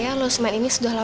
tapi akuarunya neng lo